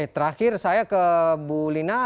terakhir saya ke bu lina